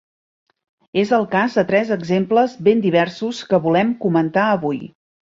És el cas de tres exemples ben diversos que volem comentar avui.